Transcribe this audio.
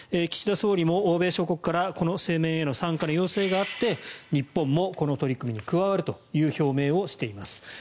岸田総理も欧米諸国からこの声明への参加の要請があって日本もこの取り組みに加わるという表明をしています。